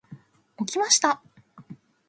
起きました。